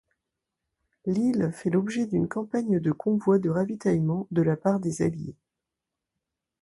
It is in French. L'île fait l'objet d'une campagne de convois de ravitaillement de la part des Alliés.